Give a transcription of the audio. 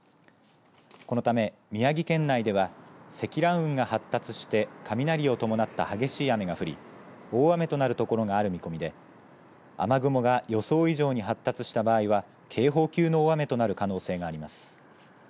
このため宮城県内では積乱雲が発達して雷を伴った激しい雨が降り大雨となる所がある見込みで雨雲が予想以上に発達した場合は警報級の大雨となる可能性があります。